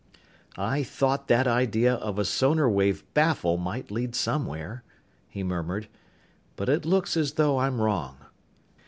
"I thought that idea of a sonar wave baffle might lead somewhere," he murmured, "but it looks as though I'm wrong."